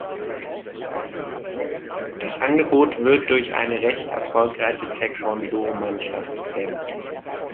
Das Angebot wird durch eine recht erfolgreiche Taekwon-Do-Mannschaft ergänzt.